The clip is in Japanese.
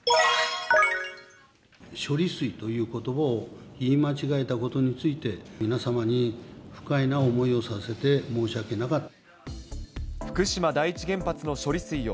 処理水ということばを言い間違えたことについて、皆様に不快な思いをさせて申し訳なかった。